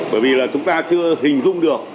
bởi vì là chúng ta chưa hình dung được